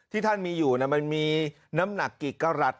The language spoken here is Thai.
ท่านมีอยู่มันมีน้ำหนักกี่กรัฐ